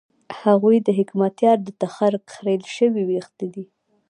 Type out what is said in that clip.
هغوی د حکمتیار د تخرګ خرېیل شوي وېښته دي.